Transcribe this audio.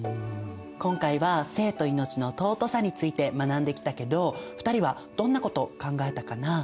今回は性と命の尊さについて学んできたけど２人はどんなことを考えたかな？